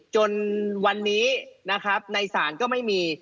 จนวันนี้ในศาลก็ไม่มี